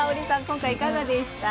今回いかがでした？